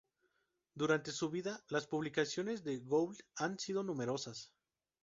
Durante su vida, las publicaciones de Gould han sido numerosas.